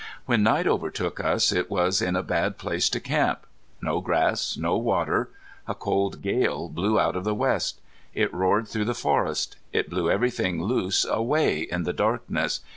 When night overtook us it was in a bad place to camp. No grass, no water! A cold gale blew out of the west. It roared through the forest. It blew everything loose away in the darkness.